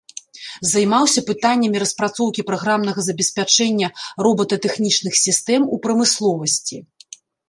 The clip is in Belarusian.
Займаўся пытаннямі распрацоўкі праграмнага забеспячэння робататэхнічных сістэм у прамысловасці.